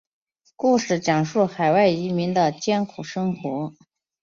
故事讲述海外移民的艰苦生活。